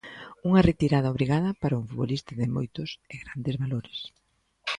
Unha retirada obrigada para un futbolista de moitos e grandes valores.